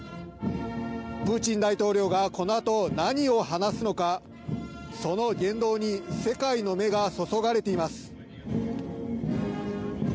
プーチン大統領がこのあと何を話すのか、その言動に世界の目が注がれています。